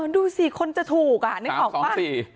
อ๋อดูสิคนจะถูกอ่ะนึกของบ้าง